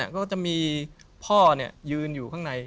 ก็จะมีพ่อยืนอยู่ข้างใน